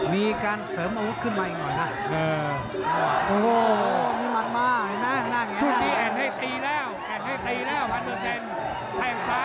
มีการเสริมอาวุธขึ้นมาอีกหน่อยนะ